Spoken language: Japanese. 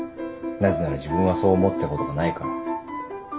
なぜなら自分はそう思ったことがないから。